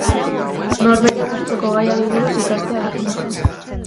Norbere gustuko gaiari buruz ikastea da kontua.